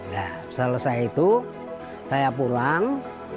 nah selesai itu saya pulang